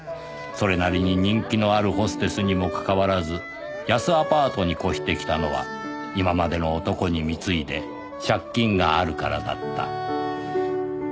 それなりに人気のあるホステスにもかかわらず安アパートに越してきたのは今までの男に貢いで借金があるからだった